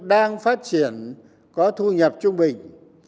đang phát triển có thu nhập trung bình